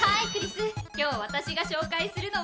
今日私が紹介するのはこちら！